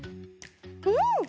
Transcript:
うん！